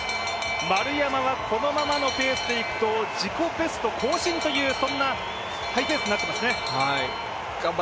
丸山はこのままのペースでいくと、自己ベスト更新という、そんなハイペースになってますね。